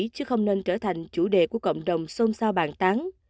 chứ không nên trở thành chủ đề của cộng đồng xôn xao bàn tán